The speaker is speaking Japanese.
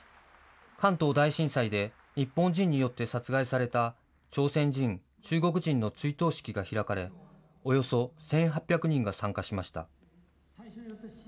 関東大震災で日本人によって殺害された朝鮮人、中国人の追悼式が開かれ、およそ１８００人が参加しました。